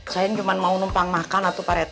saya juga belum makan